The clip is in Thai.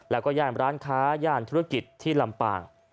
แล้วก็ย่านร้านค้าย่านธุรกิจที่ลำปาง